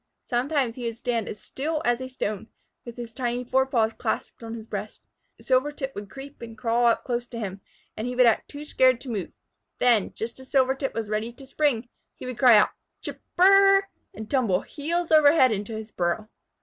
Sometimes he would stand as still as a stone, with his tiny fore paws clasped on his breast. Silvertip would creep and crawl up close to him, and he would act too scared to move. Then, just as Silvertip was ready to spring, he would cry out, "Chip r r r!" and tumble heels over head into his burrow.